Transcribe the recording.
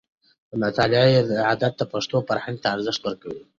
د مطالعې عادت د پښتون فرهنګ ته ارزښت ورکوي.